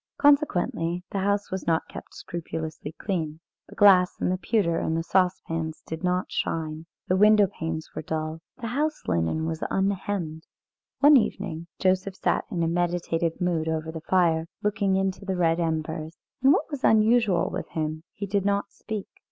Consequently, the house was not kept scrupulously clean. The glass and the pewter and the saucepans did not shine. The window panes were dull. The house linen was unhemmed. One evening Joseph sat in a meditative mood over the fire, looking into the red embers, and what was unusual with him, he did not speak.